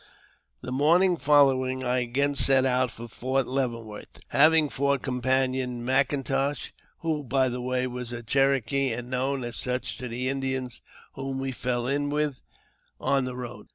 The morning following I again set out for Fort Leavenworth, having for companion M'Intosh, who, by the way, was a Cherokee, and known as such to the Indians w^hom we fell in with on the road.